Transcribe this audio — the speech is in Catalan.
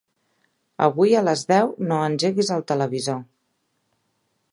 Avui a les deu no engeguis el televisor.